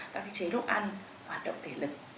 và cái chế độ ăn hoạt động thể lực